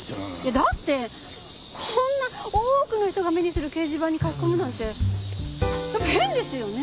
だってこんな多くの人が目にする掲示板に書き込むなんて変ですよね！？